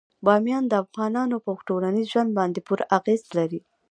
بامیان د افغانانو په ټولنیز ژوند باندې پوره اغېز لري.